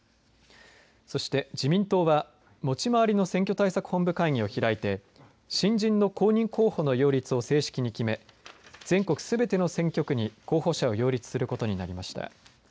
そして自民党は持ち回りの選挙対策本部会議を開いて新人の公認候補の擁立を正式に決め全国すべての選挙区に候補者を擁立することになりました。